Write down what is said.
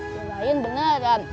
yang lain beneran